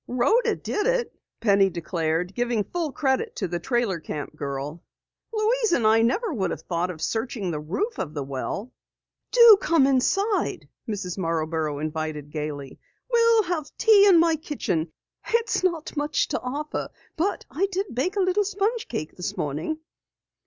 "Rhoda did it," Penny declared, giving full credit to the trailer camp girl. "Louise and I never would have thought of searching the roof of the well." "Do come inside," Mrs. Marborough invited gaily. "We'll have tea in my kitchen. It's not much to offer, but I did bake a little sponge cake this morning."